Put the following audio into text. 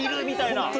みたいな。